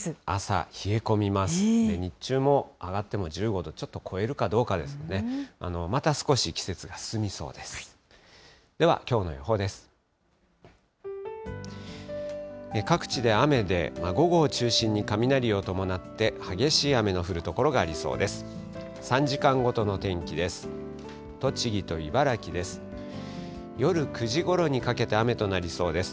各地で雨で、午後を中心に雷を伴って激しい雨の降る所がありそうです。